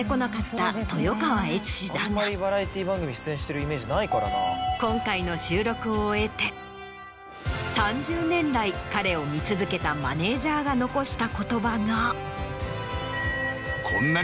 だが今回の収録を終えて３０年来彼を見続けたマネージャーが残した言葉が。